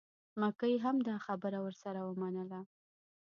مکۍ هم دا خبره ورسره ومنله.